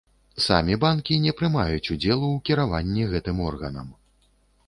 Самі банкі не прымаюць удзелу ў кіраванні гэтым органам.